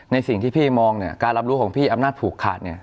สิ่งที่พี่มองเนี่ยการรับรู้ของพี่อำนาจผูกขาดเนี่ย